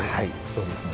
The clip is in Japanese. そうですね。